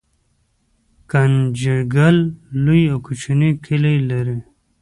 ګنجګل لوی او کوچني کلي لري